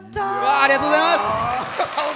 ありがとうございます！